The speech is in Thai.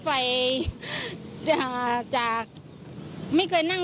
อ้า